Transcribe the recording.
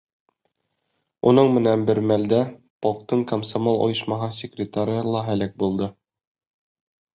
Уның менән бер мәлдә полктың комсомол ойошмаһы секретары ла һәләк булды.